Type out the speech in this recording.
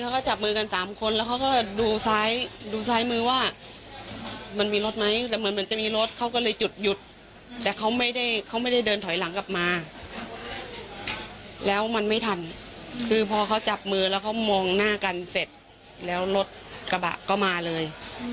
การเสร็จแล้วรถกระบะก็มาเลย